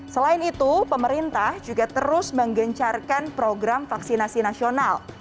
selain itu pemerintah juga terus menggencarkan program vaksinasi nasional